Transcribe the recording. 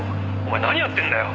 お前何やってんだよ！」